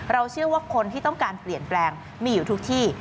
เชื่อว่าคนที่ต้องการเปลี่ยนแปลงมีอยู่ทุกที่